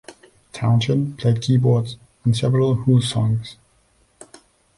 Townshend played keyboards on several Who songs.